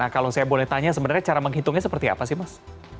kalau saya boleh tanya sebenarnya cara menghitungnya seperti apa sih mas